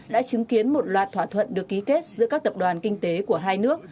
đã chứng kiến một loạt thỏa thuận được ký kết giữa các tập đoàn kinh tế của hai nước